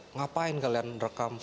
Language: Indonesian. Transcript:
ngapain kalian rekam